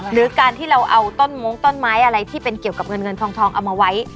หรือการที่เราเอาต้นมงต้นไม้อะไรที่เป็นเกี่ยวกับเงินเงินทองเอามาไว้